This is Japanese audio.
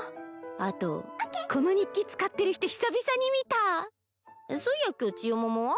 あとこの日記使ってる人久々に見たそういや今日ちよももは？